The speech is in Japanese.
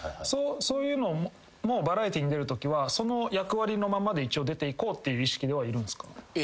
そういうのもバラエティーに出るときはその役割のままで一応出ていく意識ではいるんですか？